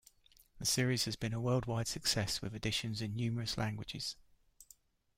The series has been a worldwide success with editions in numerous languages.